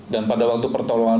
dan pada waktu pertolongan